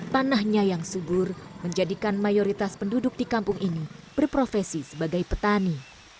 tanahnya yang subur menjadikan mayoritas penduduk di kampung ini berprofesi sebagai petani